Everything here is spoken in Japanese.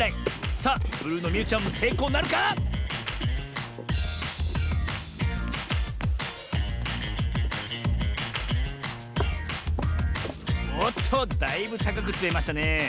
さあブルーのみゆちゃんもせいこうなるか⁉おっとだいぶたかくつめましたねえ。